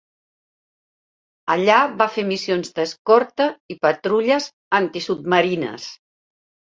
Allà va fer missions d'escorta i patrulles antisubmarines.